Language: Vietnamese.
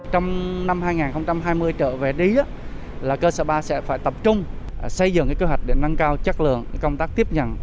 trong năm hai nghìn hai mươi trở về đi cơ sở ba sẽ phải tập trung xây dựng kế hoạch để nâng cao chất lượng công tác tiếp nhận